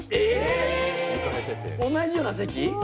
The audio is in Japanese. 同じような席？